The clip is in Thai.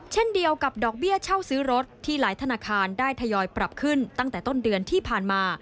เช่นเดียวกับดอกเบี้ยเช่าซื้อรถที่หลายธนาคารได้ทยอยปรับขึ้นตั้งแต่ต้นเดือนที่ผ่านมา